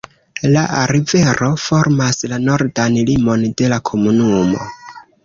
La rivero formas la nordan limon de la komunumo.